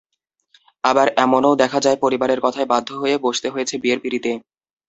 আবার এমনও দেখা যায়, পরিবারের কথায় বাধ্য হয়ে বসতে হচ্ছে বিয়ের পিঁড়িতে।